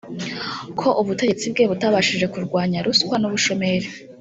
ko ubutegetsi bwe butabashije kurwanya ruswa n’ubushomeri